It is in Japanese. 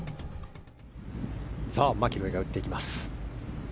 マキロイが打っていきます。